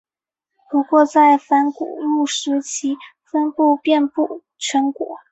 不过在泛古陆时其分布遍布全球。